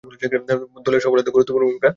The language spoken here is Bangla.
দলের সফলতায় গুরুত্বপূর্ণ ভূমিকা রাখেন।